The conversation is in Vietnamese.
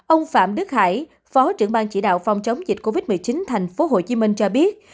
ông phạm đức hải phó trưởng bang chỉ đạo phòng chống dịch covid một mươi chín thành phố hồ chí minh cho biết